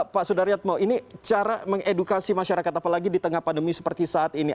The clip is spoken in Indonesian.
pak sudaryatmo ini cara mengedukasi masyarakat apalagi di tengah pandemi seperti saat ini